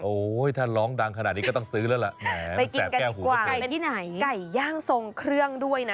โอ้วถ้าร้องดังขนาดนี้ก็ต้องซื้อแล้วละแหน่มันแสบแก้วหู